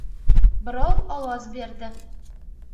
Birov ovoz berdi: